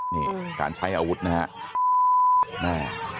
นี่การใช้อาวุธนะครับ